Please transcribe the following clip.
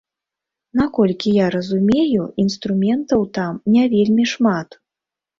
Наколькі я разумею, інструментаў там не вельмі шмат.